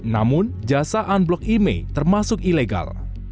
namun jasaan blok email termasuk ilegal